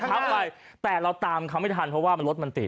โอ้ประบายแต่เราตามเค้าไม่ทันเพราะว่ารถมันติด